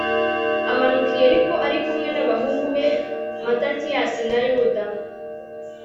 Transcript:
amanuka i yeriko ari kumwe n'abahungu be matatiyasi na yuda